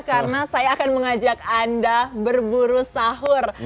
karena saya akan mengajak anda berburu sahur